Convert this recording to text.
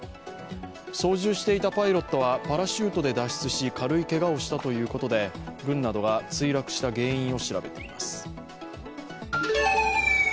操縦していたパイロットはパラシュートで脱出し、軽いけがをしたということで、軍などが墜落した原因を調べています。